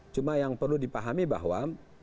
cuma yang perlu dipahami bahwa